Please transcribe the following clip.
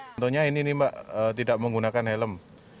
contohnya ini mbak tidak menggunakan helm